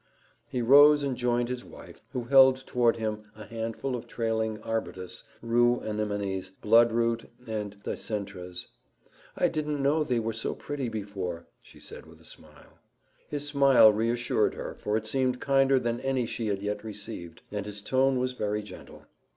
He rose and joined his wife, who held toward him a handful of trailing arbutus, rue anemones, bloodroot, and dicentras. "I didn't know they were so pretty before," he said with a smile. His smile reassured her for it seemed kinder than any she had yet received, and his tone was very gentle.